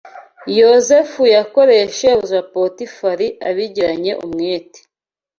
Yozefu yakoreye shebuja Potifari abigiranye umwete